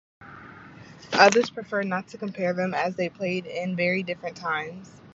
Others prefer not to compare them, as they played in very different times.